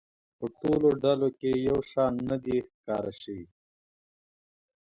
په ټولو ډلو کې یو شان نه دی ښکاره شوی.